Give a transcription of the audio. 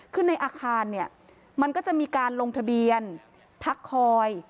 คือในอาคารเนี่ยมันก็จะมีการลงทะเบียนพักคอย